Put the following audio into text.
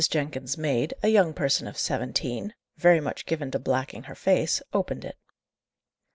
Jenkins's maid, a young person of seventeen, very much given to blacking her face, opened it.